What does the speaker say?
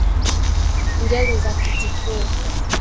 Ngeli za Kitikuu